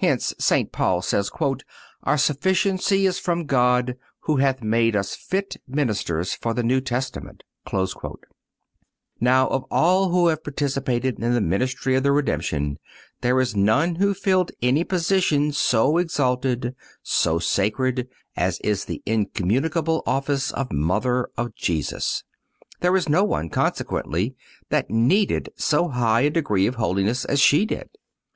Hence St. Paul says: "Our sufficiency is from God, who hath made us fit ministers of the New Testament."(218) Now of all who have participated in the ministry of the Redemption there is none who filled any position so exalted, so sacred, as is the incommunicable office of Mother of Jesus; and there is no one, consequently, that needed so high a degree of holiness as she did.